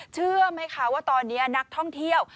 เชื่อไหมคะว่าตอนนี้นักท่องเที่ยว